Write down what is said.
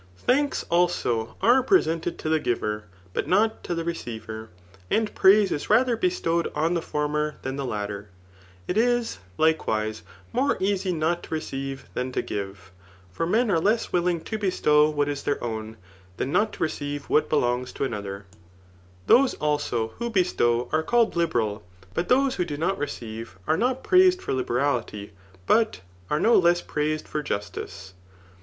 Thanks, also^ are pre^ seated to the giver, but not to die ceodyar ; and praise is rath^ bestowed onthe former than the latter* . It is, likewise, moreteasy not to receive than to give; for men tre less wiling to bt6tt>w wdiatis.th«r orsrn^ than not to Digitized by Google CHAF* f. 1TM1C8. H7 recesire what belongs ta another. Those, aIso> who bestow »re called liberal ; but those who do not recave, are not praised for liberality, but 9xe no less praised for; jwtke.